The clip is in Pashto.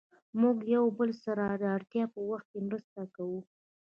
موږ يو له بل سره د اړتیا په وخت کې مرسته کوو.